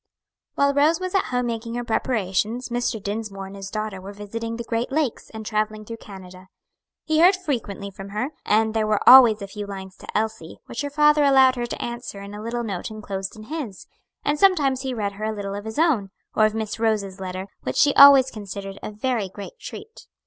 While Rose was at home making her preparations, Mr. Dinsmore and his daughter were visiting the great lakes, and travelling through Canada. He heard frequently from her, and there were always a few lines to Elsie, which her father allowed her to answer in a little note enclosed in his; and sometimes he read her a little of his own, or of Miss Rose's letter, which she always considered a very great treat.